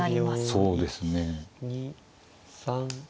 そうですね。